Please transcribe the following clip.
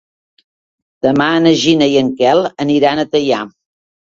Demà na Gina i en Quel aniran a Teià.